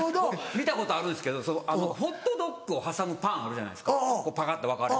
見たことあるんですけどホットドッグを挟むパンあるじゃないですかパカっと分かれる。